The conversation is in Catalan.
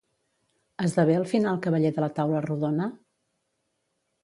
Esdevé al final cavaller de la Taula Rodona?